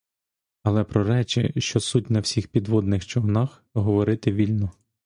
Але про речі, що суть на всіх підводних човнах, говорити вільно.